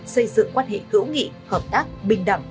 xây dựng quan hệ hữu nghị hợp tác bình đẳng